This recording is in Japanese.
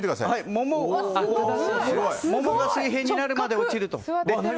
ももが水平になるまで落ちると。